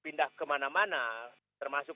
pindah kemana mana termasuk